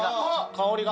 香りが。